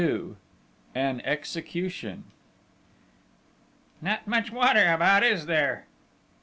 XXII AN EXECUTION "Not much water about, is there?"